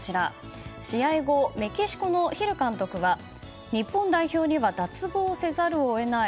試合後、メキシコのヒル監督は日本代表には脱帽せざるを得ない。